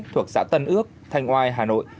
thuộc xã tân ước thanh oai hà nội